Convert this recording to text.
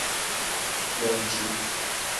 Banci.